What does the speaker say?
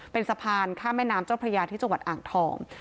เป็นสะพานข้ามแม่น้ำเจ้าพระยาที่จังหวัดอ่างทอง